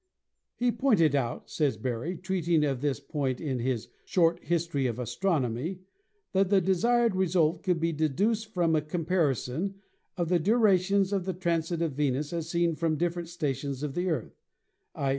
"He pointed out," says Berry, treating of this point in his "Short History of Astronomy," "that the desired result could be deduced from a comparison of the durations of the transit of Venus as seen from different stations of the Earth, i.